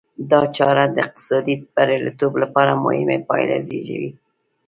دا چاره د اقتصادي بریالیتوب لپاره مهمې پایلې زېږوي.